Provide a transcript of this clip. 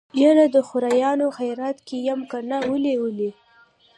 يره د خوريانو خيرات کې يم کنه ولې ولې.